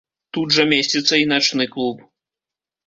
Тут жа месціцца і начны клуб.